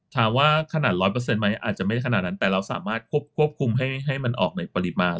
ถามว่าขนาดร้อยเปอร์เซ็นต์ไหมอาจจะไม่ได้ขนาดนั้นแต่เราสามารถควบคุมให้ให้มันออกในปริมาณ